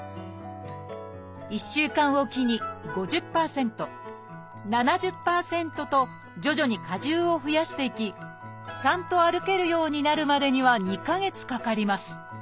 １週間置きに５０％７０％と徐々に荷重を増やしていきちゃんと歩けるようになるまでには２か月かかります。